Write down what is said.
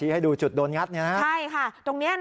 ให้ดูจุดโดนงัดอย่างนี้นะ